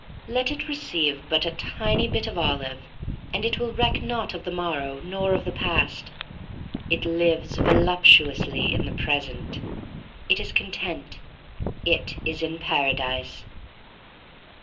Let it receive but a tiny bit of olive and it will reck not of the morrow, nor of the past. It lives, voluptuously, in the present. It is content. It is in paradise.